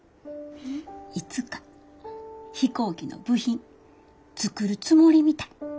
いつか飛行機の部品作るつもりみたい。